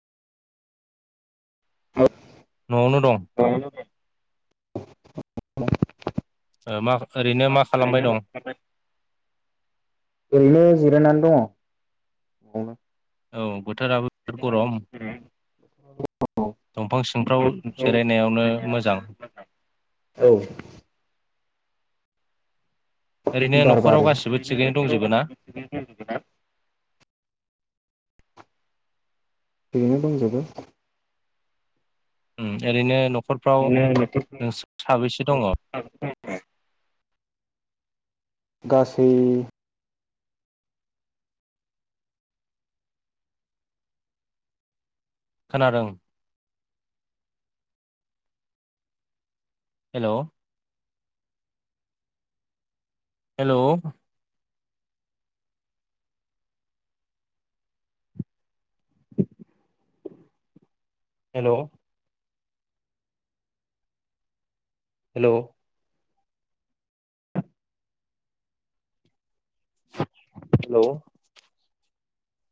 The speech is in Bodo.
[unintelligible] न'आवनो दं। [unintelligible] ओरैनो मा खालामबाय दं? ओरैनो जिरायनानै दङ न'आवनो। औ बोथोराबो गरम दंफां सिंफ्राव जिरायनायावनो मोजां। औ। ओरैनो बार न'खराव बारो गासिबो थिगैनो दंजोबो ना? थिगैनो दंजोबो। उम ओरैनो नख दङ [unintelligible] गासै खोनादों। हेलौ। हेलौ। हेल'। हेल'। हेल'।